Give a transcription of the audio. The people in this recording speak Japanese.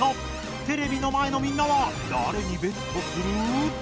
テレビの前のみんなはだれにベットする？